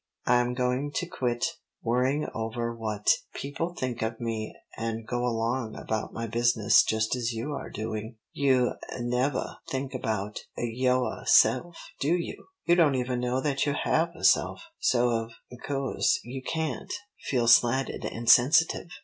I'm going to quit worrying over what people may think of me and go along about my business just as you are doing. You nevah think about yoahself, do you! You don't even know that you have a self, so of co'se you can't feel slighted and sensitive."